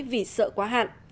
vì sợ quá hạn